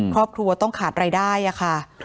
ครอบครัวต้องขาดรายได้ค่ะ